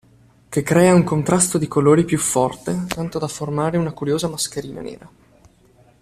Che crea un contrasto di colori più forte tanto da formare una curiosa mascherina nera.